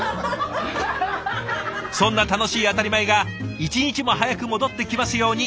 そんな楽しい当たり前が一日も早く戻ってきますように。